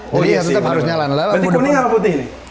jadi harus tetap harus nyala berarti kuning apa putih